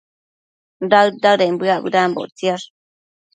daëd-daëden bëac bedambo ictsiash